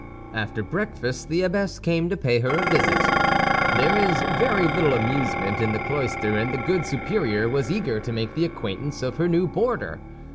After breakfast, the abbess came to pay her a visit. There is very little amusement in the cloister, and the good superior was eager to make the acquaintance of her new boarder.